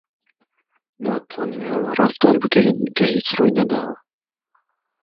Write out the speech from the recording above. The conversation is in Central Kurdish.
ناتوانین هەر وا ڕەفتار بکەین کە هیچ ڕووی نەداوە.